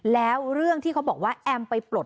แล้วเรื่องที่เขาบอกว่าแอมไปปลด